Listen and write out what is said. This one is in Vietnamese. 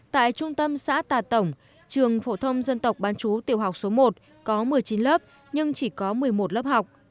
tại trung tâm xã tà tổng trường phổ thông dân tộc bán chú tiểu học số một có một mươi chín lớp nhưng chỉ có một mươi một lớp học